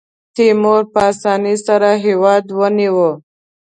تیمور په اسانۍ سره هېواد ونیو.